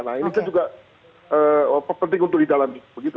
nah ini juga penting untuk didalami